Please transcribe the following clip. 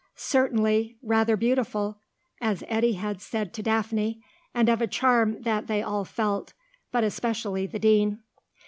Certainly "rather beautiful," as Eddy had said to Daphne, and of a charm that they all felt, but especially the Dean.